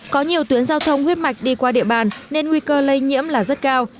có nhiều tuyến giao thông huyết mạch đi qua địa bàn nên nguy cơ lây nhiễm là rất cao